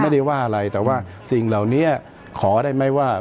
ไม่ได้ว่าอะไรแต่ว่าสิ่งเหล่านี้ขอได้ไหมว่า